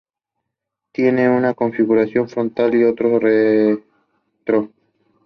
He went to school at the University of Manitoba.